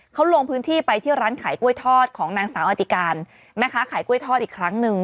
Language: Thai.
เขาลงพื้นที่ไปที่ร้านขายกล้วยทอดของนางสาวอติการแม่ค้าขายกล้วยทอดอีกครั้งหนึ่ง